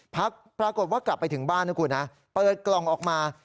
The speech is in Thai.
พักปรากฏว่ากลับไปถึงบ้านนะคุณนะเปิดกล่องออกมา